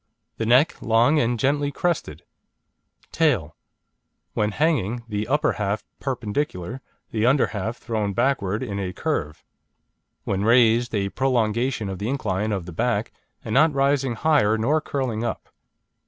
The neck long and gently crested. TAIL When hanging, the upper half perpendicular, the under half thrown backward in a curve. When raised, a prolongation of the incline of the back, and not rising higher nor curling up.